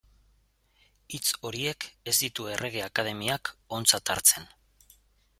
Hitz horiek ez ditu Errege Akademiak ontzat hartzen.